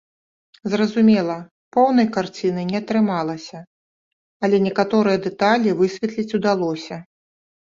Зразумела, поўнай карціны не атрымалася, але некаторыя дэталі высветліць удалося.